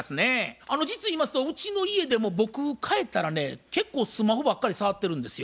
実言いますとうちの家でも僕帰ったらね結構スマホばっかり触ってるんですよ。